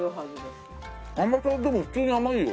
甘さはでも普通に甘いよ。